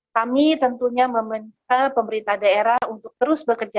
kami tentunya meminta pemerintah daerah untuk terus bekerja